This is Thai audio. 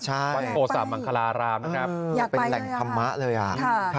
ใช่ไปวันโอสามังคลารามนะครับเป็นแหล่งธรรมะเลยค่ะอยากไปเลยค่ะ